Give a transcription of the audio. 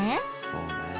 そうね